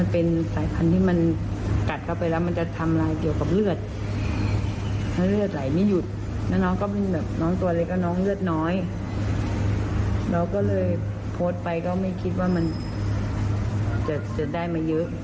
เราก็เลยโพสต์ไปก็ไม่คิดว่ามันจะได้มาเยอะ